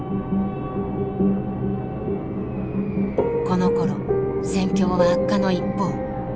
このころ戦況は悪化の一方。